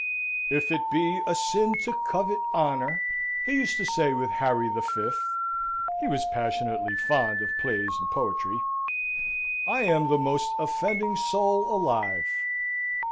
'If it be a sin to covet honour,' he used to say with Harry the Fifth (he was passionately fond of plays and poetry), 'I am the most offending soul alive.'